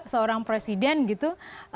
seorang presiden gitu